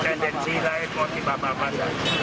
tidak ada tendensi lain motiva motivasi